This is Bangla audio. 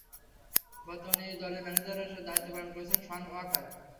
বর্তমানে এই দলের ম্যানেজারের দায়িত্ব পালন করছেন শন ওয়াকার।